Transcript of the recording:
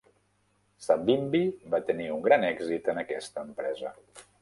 Savimbi va tenir un gran èxit en aquesta empresa.